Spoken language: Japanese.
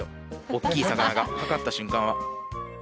おっきい魚がかかった瞬間は。